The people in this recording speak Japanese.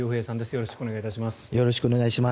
よろしくお願いします。